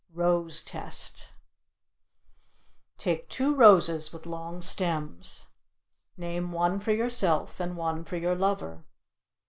ROSE TEST Take two roses with long stems. Name one for yourself and one for your lover.